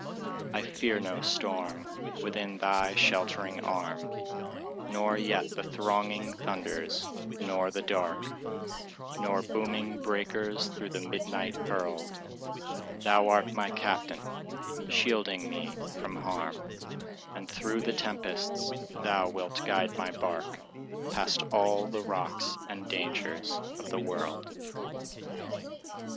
I fear no storm, within thy sheltering arm, Nor yet the thronging thunders, nor the dark, Nor booming breakers through the midnight hurled; Thou art my Captain, shielding me from harm, And through the tempests thou wilt guide my bark Past all the rocks and dangers of the world.